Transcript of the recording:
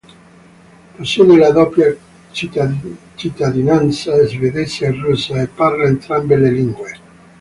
Possiede la doppia cittadinanza svedese e russa e parla entrambe le lingue.